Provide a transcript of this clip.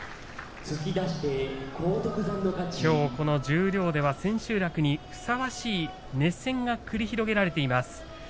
きょう、この十両では千秋楽にふさわしい熱戦が繰り広げられています。